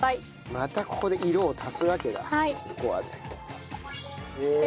またここで色を足すわけだココアで。